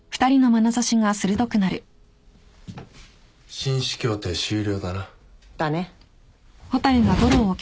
紳士協定終了だな。だね。